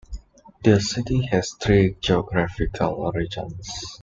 The city has three geographical regions.